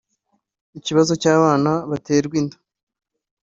Ikibazo cy’abana baterwa inda